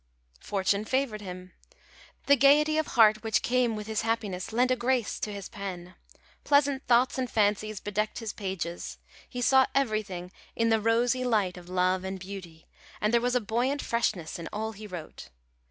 Fortune favoured him. The gaiety of heart which came with his happiness lent a grace to his pen. Pleasant thoughts and fancies bedecked his pages. He saw everything in the rosy light of love and beauty, and there was a buoyant freshness in all he wrote.